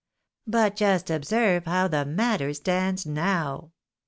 But just observe how the matter stands now.